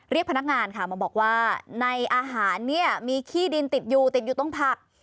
พนักงานค่ะมาบอกว่าในอาหารเนี่ยมีขี้ดินติดอยู่ติดอยู่ตรงผัก